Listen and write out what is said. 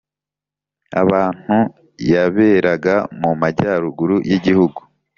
abantu yaberaga mu majyaruguru y'igihugu,